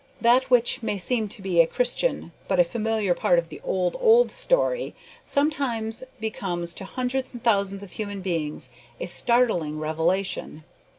That which may seem to a Christian but a familiar part of the "old, old story," sometimes becomes to hundreds and thousands of human beings a startling revelation.